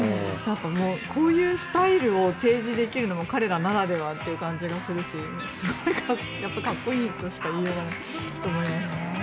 もうこういうスタイルを提示できるのが彼らならではという感じがするしやっぱり、かっこいいとしか言いようがないと思います。